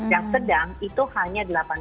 yang sedang itu hanya delapan puluh delapan